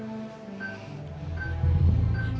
dia sudah berakhir